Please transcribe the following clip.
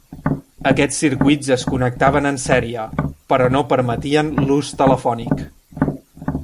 Aquests circuits es connectaven en sèrie, però no permetien l'ús telefònic.